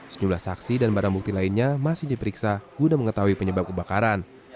sejumlah saksi dan barang bukti lainnya masih diperiksa guna mengetahui penyebab kebakaran